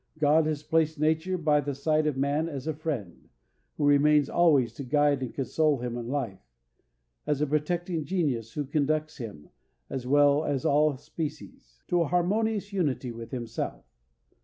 God has placed nature by the side of man as a friend, who remains always to guide and console him in life; as a protecting genius, who conducts him, as well as all species, to a harmonious unity with himself.